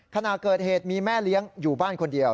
ขณะเกิดเหตุมีแม่เลี้ยงอยู่บ้านคนเดียว